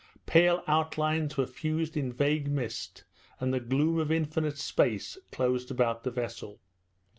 Pale outlines were fused in vague mist, and the gloom of infinite space closed about the vessel.